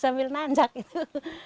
sambil nanjak itu